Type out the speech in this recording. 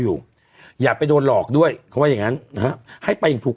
อยู่อย่าไปโดนหลอกด้วยเขาว่าอย่างงั้นนะฮะให้ไปอย่างถูก